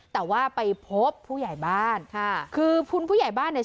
แต่ว่าไปพบผู้ใหญ่บ้านค่ะคือคุณผู้ใหญ่บ้านเนี่ย